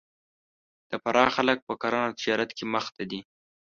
د فراه خلک په کرهنه او تجارت کې مخ ته دي